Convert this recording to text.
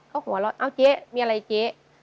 ก็หัวเราะเอ้าเจ๊มีอะไรเจ๊